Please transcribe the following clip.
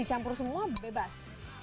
dicampur semua bebas